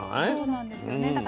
そうなんですよね。